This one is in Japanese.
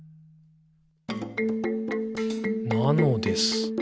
「なのです。」